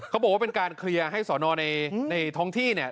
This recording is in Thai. เขาบอกว่าเป็นการเคลียร์ให้สอนอในท้องที่เนี่ย